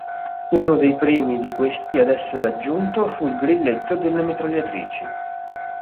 Uno dei primi di questi ad essere aggiunto fu il grilletto delle mitragliatrici.